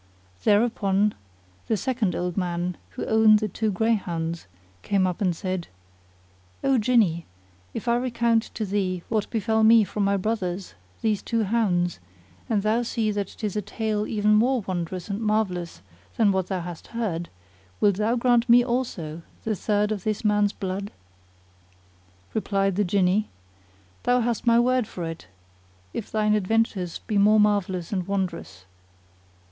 Thereupon the second old man, who owned the two greyhounds, came up and said, " O Jinni, if I recount to thee what befel me from my brothers, these two hounds, and thou see that it is a tale even more wondrous and marvellous than what thou hast heard, wilt thou grant to me also the third of this man's blood?" Replied the Jinni, "Thou hast my word for it, if thine adventures be more marvellous and wondrous."